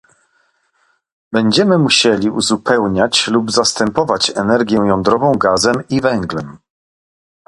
Będziemy musieli uzupełniać lub zastępować energię jądrową gazem i węglem